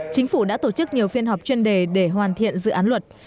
chính phủ đã tổ chức nhiều phiên họp chuyên đề để hoàn thiện dự án luật